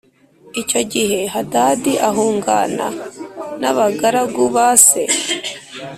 Icyo gihe Hadadi ahungana n’abagaragu ba se